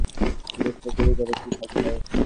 জিজ্ঞেস কর তাকে একজন পুলিশকে গুলি করলে কি সাজা হয়।